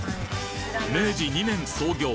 明治２年創業